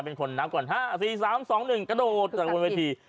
เป็นคนนับก่อนห้าสี่สามสองหนึ่งกระโดดจากบนเวที